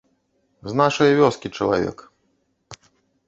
З нашай вёскі чалавек.